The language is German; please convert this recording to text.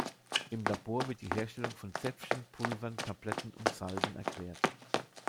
Im Labor wird die Herstellung von Zäpfchen, Pulvern, Tabletten und Salben erklärt.